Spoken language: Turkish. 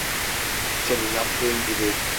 Senin yaptığın gibi.